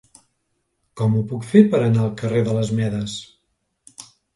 Com ho puc fer per anar al carrer de les Medes?